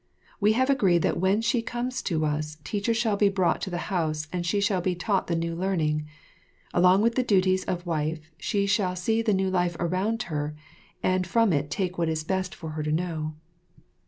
We have agreed that when she comes to us, teachers shall be brought to the house and she shall be taught the new learning. Along with the duties of wife she shall see the new life around her and from it take what is best for her to know.